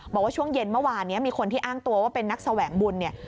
บอกว่าช่วงเย็นเมื่อวานนี้มีคนที่อ้างตัวว่าเป็นนักแสวงบุญเนี่ย